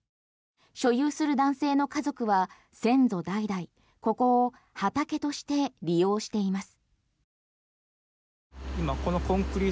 所有する男性の家族は先祖代々、ここを畑として利用しています。